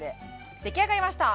出来上がりました！